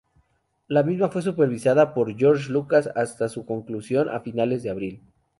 La misma fue supervisada por George Lucas, hasta su conclusión, a finales de abril.